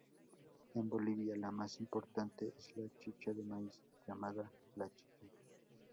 En Bolivia la más importante es la "chicha de maíz", llamada la chicha.